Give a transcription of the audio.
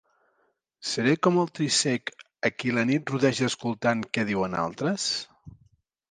Seré com el trisc cec, a qui la nit rodeja escoltant què diuen altres?